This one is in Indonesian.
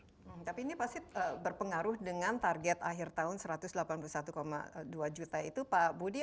tapi ini pasti berpengaruh dengan target akhir tahun satu ratus delapan puluh satu dua juta itu pak budi